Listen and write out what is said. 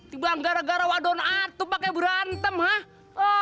coba gara gara wadon atu pakai berantem ha